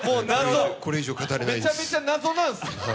めちゃめちゃ謎なんですね。